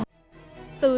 từ thử nghiệm